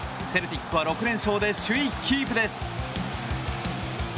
セルティックは６連勝で首位キープです。